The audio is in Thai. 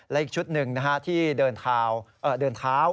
และอีกชุดหนึ่งที่เดินเท้า